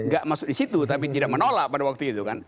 gak masuk di situ tapi tidak menolak pada waktu itu kan